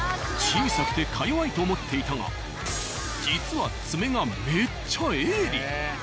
小さくてかよわいと思っていたが実は爪がめっちゃ鋭利。